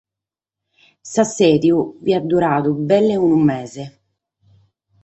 S’assèdiu fiat duradu belle unu mese.